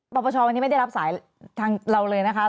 ปปชวันนี้ไม่ได้รับสายทางเราเลยนะคะ